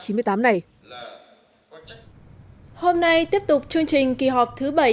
hôm nay tiếp tục chương trình kỳ họp thứ bảy